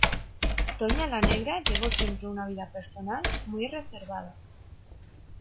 Toña la Negra llevó siempre una vida personal muy reservada.